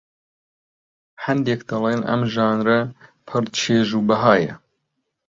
هەندێک دەڵێن ئەم ژانرە پڕ چێژ و بەهایە